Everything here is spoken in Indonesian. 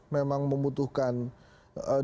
memang membutuhkan dukungan dari sosok sosok